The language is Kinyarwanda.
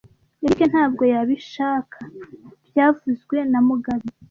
Eric ntabwo yabishaka byavuzwe na mugabe